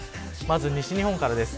西日本からです。